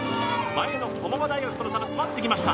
前の駒場大学との差が詰まってきました